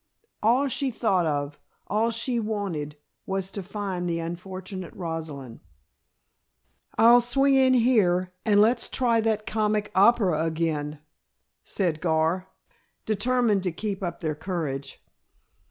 All she thought of, all she wanted, was to find the unfortunate Rosalind. "I'll swing in here and let's try that comic opera again," said Gar, determined to keep up their courage.